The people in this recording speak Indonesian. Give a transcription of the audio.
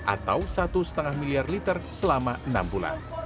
atau satu lima miliar liter selama enam bulan